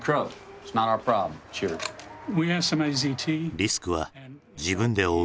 リスクは自分で負う。